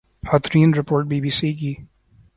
ہترین report B B C کی